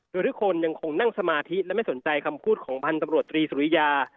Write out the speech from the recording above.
โดยทุกคนยังคงนั่งสมาธิและไม่สนใจคำพูดของพันธบรตรีสุริยา